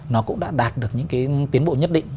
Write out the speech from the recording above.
nó cũng đã đạt được những cái tiến bộ nhất định